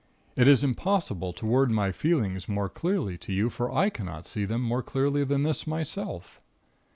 It is impossible to word my feelings more clearly to you, for I cannot see them more clearly than this, myself.